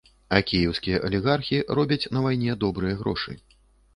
А кіеўскія алігархі робяць на вайне добрыя грошы.